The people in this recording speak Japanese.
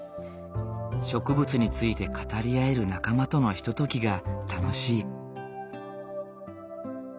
植物について語り合える仲間とのひとときが楽しい。